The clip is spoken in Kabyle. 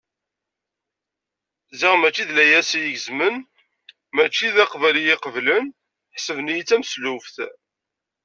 Ziɣ mačči d layas i gezmen, mačči d aqbal iyi-qeblen, ḥesben-iyi d tameslubt.